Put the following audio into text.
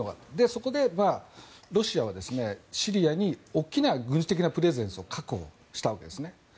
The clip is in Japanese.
そこでロシアはシリアに大きな軍事的なプレゼンスを確保したわけですね。